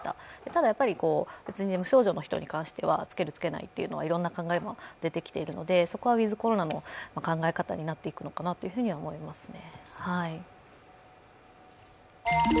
ただ、無症状の人に関しては着ける着けない、いろんな考え方が出てきているのでそこはウィズ・コロナの考え方になっていくのかなと思いますね。